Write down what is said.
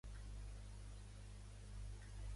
I quant al debat amb el govern d'Espanya?